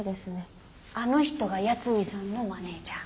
あの人が八海さんのマネージャー。